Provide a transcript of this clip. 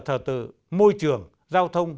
thờ tử môi trường giao thông